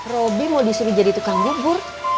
robby mau disuruh jadi tukang bubur